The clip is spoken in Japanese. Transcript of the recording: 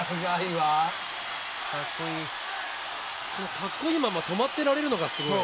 かっこいいまま止まってられるのがすごい。